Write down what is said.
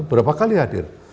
berapa kali hadir